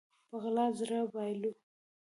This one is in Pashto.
په غلا زړه بايلو